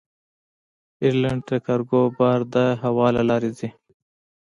ایرلنډ ته کارګو بار د هوا له لارې ځي.